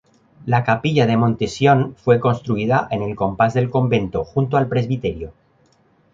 La Capilla de Monte-Sion fue construida en el compás del convento, junto al presbiterio.